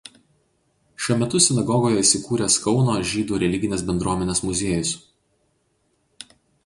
Šiuo metu sinagogoje įsikūręs Kauno žydų religinės bendruomenės muziejus.